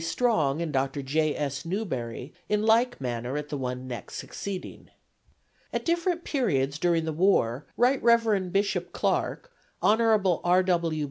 Strong and Dr. J. S. Newberry in like manner at the one next succeeding. At different periods during the war Rt. Rev. Bishop Clark, Hon. R. W.